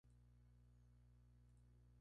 En Roma se instituyó un premio con su nombre.